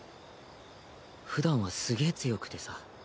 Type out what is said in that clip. ふだんはすげぇ強くてさ